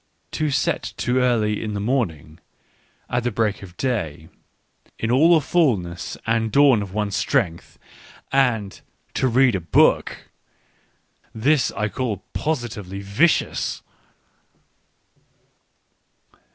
To set to early in the morning, at the break of day, in all the fulness and dawn of one's strength, and to read a book — this I call positively vicious